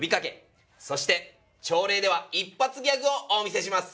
そして朝礼では一発ギャグをお見せします！